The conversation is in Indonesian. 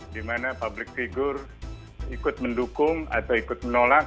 di mana publik figur ikut mendukung atau ikut menolak